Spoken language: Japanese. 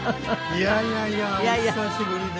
いやいやいやお久しぶりです。